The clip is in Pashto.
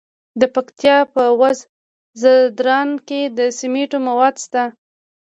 د پکتیا په وزه ځدراڼ کې د سمنټو مواد شته.